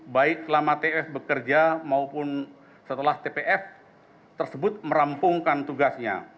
baik selama tf bekerja maupun setelah tpf tersebut merampungkan tugasnya